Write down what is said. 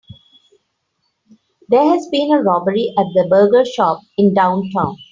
There has been a robbery at the burger shop in downtown.